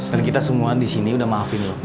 dan kita semua disini udah maafin lo